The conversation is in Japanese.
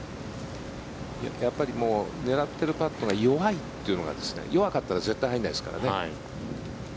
狙っているパットが弱いというか弱かったら絶対入らないですからね。